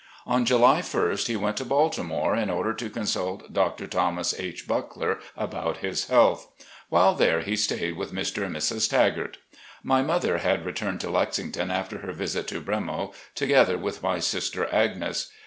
On July ist he went to Baltimore in order to consult Dr. Thomas H. Buckler about his health. While thare he stayed with Mr. and Mrs. Tagart. My mother had returned to Lexington after her visit to "Bremo," together with my sister Agnes.